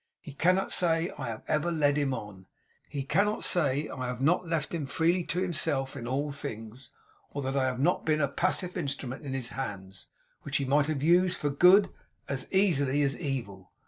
He cannot say I have ever led him on. He cannot say I have not left him freely to himself in all things; or that I have not been a passive instrument in his hands, which he might have used for good as easily as evil.